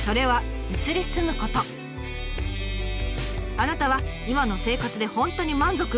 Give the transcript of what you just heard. あなたは今の生活で本当に満足？